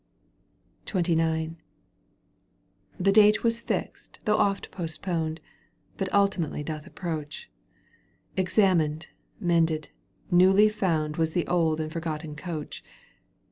XXIX. * I The date was fixed though oft postponed, '1 j But ultimately doth approach. ;' Examined, mended, newly found ! Was the old and forgotten coach